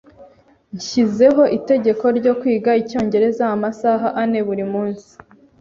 Nshizeho itegeko ryo kwiga icyongereza amasaha ane buri munsi.